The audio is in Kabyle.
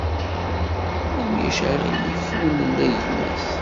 Ulac aɣilif ur nla gma-s.